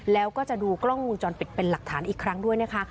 แล้วก็จะดูกล้องวงจรปิดเป็นหลักฐานอีกครั้งด้วยนะคะ